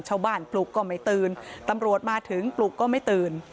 ปลุกก็ไม่ตื่นตำรวจมาถึงปลุกก็ไม่ตื่น